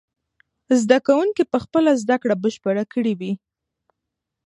زده کوونکي به خپله زده کړه بشپړه کړې وي.